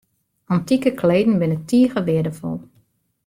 Antike kleden binne tige weardefol.